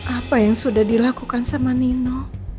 apa yang sudah dilakukan sama nino